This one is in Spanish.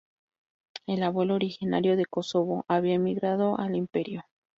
El abuelo, originario de Kosovo, había emigrado al imperio.